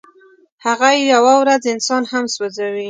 هغه یوه ورځ انسان هم سوځوي.